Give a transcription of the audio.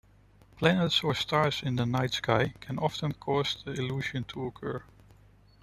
Planets or stars in the night sky can often cause the illusion to occur.